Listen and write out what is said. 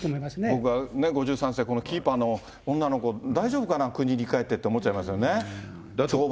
僕ね、５３世、このキーパーの女の子、大丈夫かな、国に帰ってって思っちゃいますよね。